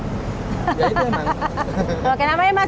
rasanya khas kental manis pahit